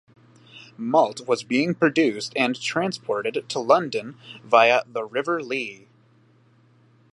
Malt was being produced and transported to London via the River Lea.